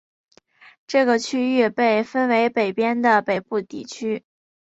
这个区域被分为北边的北部地区。